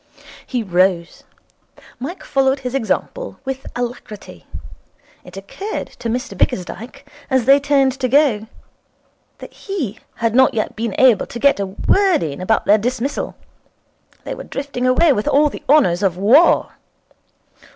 He rose. Mike followed his example with alacrity. It occurred to Mr Bickersdyke, as they turned to go, that he had not yet been able to get in a word about their dismissal. They were drifting away with all the honours of war.